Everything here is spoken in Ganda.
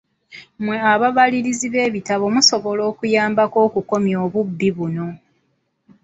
Mwe ababalirizi b'ebitabo musobola okuyambako okukomya obubbi buno.